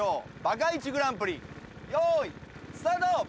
バカ−１グランプリ用意スタート。